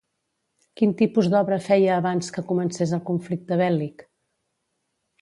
Quin tipus d'obra feia abans que comencés el conflicte bèl·lic?